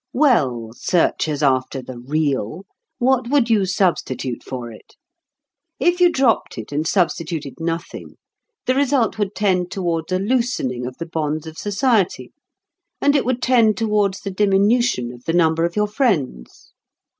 Well, searchers after the real, what would you substitute for it? If you dropped it and substituted nothing, the result would tend towards a loosening of the bonds of society, and it would tend towards the diminution of the number of your friends.